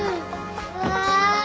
うわ。